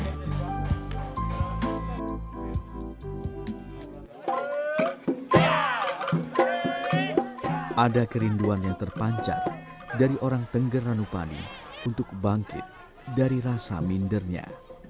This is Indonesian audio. ada kerinduan yang terpancar dari orang tengger ranupani untuk bangkit dari rasa mindernya